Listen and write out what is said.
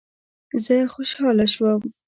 زه خوشاله وم.